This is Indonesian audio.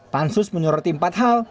pansus menyoroti empat hal